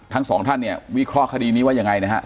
ทั้งสองท่านเนี่ยวิเคราะห์คดีนี้ว่ายังไงนะฮะ